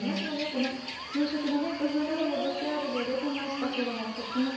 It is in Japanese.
この給食の工夫などもＶＴＲで出てましたけども。